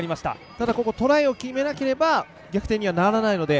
ただここトライを決めなければ逆転にはならないので。